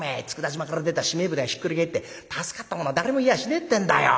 佃島から出たしめえ舟がひっくり返って助かった者は誰もいやしねえってんだよ。